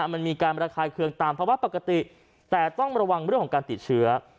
มันมีการระคายเคืองตามภาวะปกติแต่ต้องระวังเรื่องของการติดเชื้อ